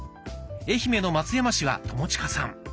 愛媛の松山市は友近さん。